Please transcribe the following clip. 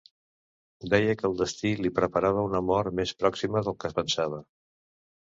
Deia que el destí li preparava una mort més pròxima del que pensava.